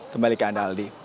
kembali ke anda aldi